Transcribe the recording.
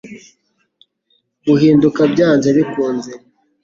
Guhinduka byanze bikunze –